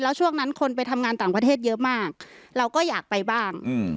แล้วช่วงนั้นคนไปทำงานต่างประเทศเยอะมากเราก็อยากไปบ้าง